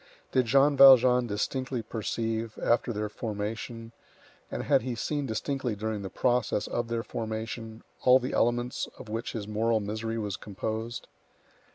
Did Jean Valjean distinctly perceive, after their formation, and had he seen distinctly during the process of their formation, all the elements of which his moral misery was composed?